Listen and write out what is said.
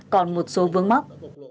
còn một số vướng mắc